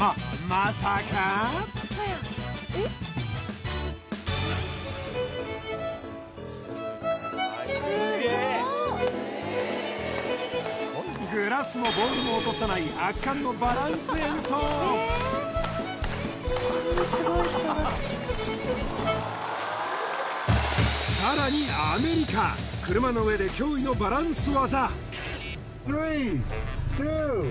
まさかグラスもボールも落とさない圧巻のさらにアメリカ車の上で驚異のバランス技